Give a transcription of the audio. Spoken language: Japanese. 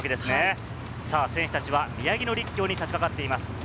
選手たちは宮城野陸橋に差し掛かっています。